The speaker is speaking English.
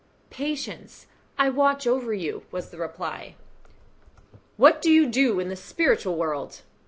"Patience! I watch over you," was the reply. "What do you do in the spiritual world?"